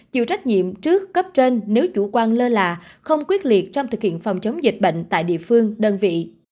chịu trách nhiệm trước cấp trên nếu chủ quan lơ là không quyết liệt trong thực hiện phòng chống dịch bệnh tại địa phương đơn vị